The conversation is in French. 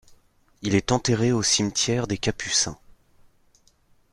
Il est enterré au cimetière des Capucins.